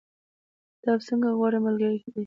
کتاب څنګه غوره ملګری کیدی شي؟